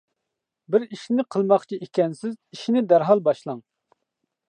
بىر ئىشنى قىلماقچى ئىكەنسىز، ئىشنى دەرھال باشلاڭ.